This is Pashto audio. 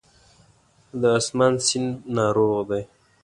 د آسمان سیند ناروغ دی